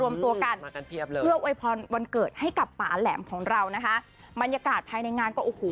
มันยากาศภายในงานก็โอ้โห